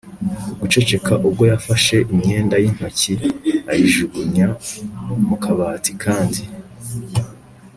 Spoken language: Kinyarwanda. guceceka ubwo yafashe imyenda y'intoki, ayijugunya mu kabati, kandi